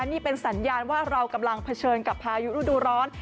นี่เป็นสัญญาณว่าเรากำลังเผชิญกับพายุฤดูร้อน